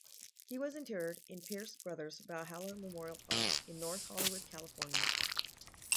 He was interred in Pierce Brothers Valhalla Memorial Park, in North Hollywood, California.